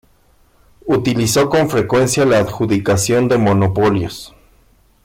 Utilizó con frecuencia la adjudicación de monopolios.